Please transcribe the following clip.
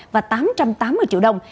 và tám là một năm tỷ đồng